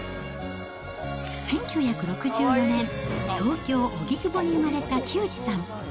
１９６４年、東京・荻窪に生まれた木内さん。